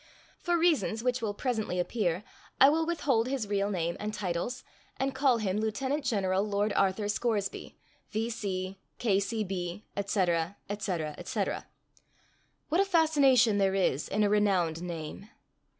For reasons which will presently appear, I will withhold his real name and titles, and call him Lieutenant General Lord Arthur Scoresby, V.C., K.C.B., etc., etc., etc. What a fascination there is in a renowned name!